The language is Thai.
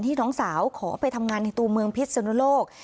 น้องสาวขอไปทำงานในตัวเมืองพิษสนุโลก